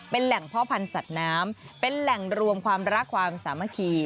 เป็นแหล่งพ่อพันธุ์สัตว์น้ำเป็นแหล่งรวมความรักความสามัคคี